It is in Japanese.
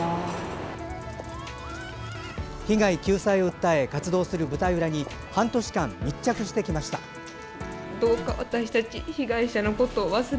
被害救済を訴え活動する舞台裏に半年間、密着してきました。